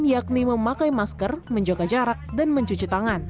yakni memakai masker menjaga jarak dan mencuci tangan